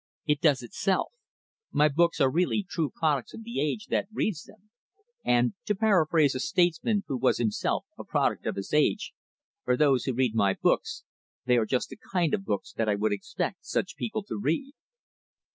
"It does itself. My books are really true products of the age that reads them; and to paraphrase a statesman who was himself a product of his age for those who read my books they are just the kind of books that I would expect such people to read."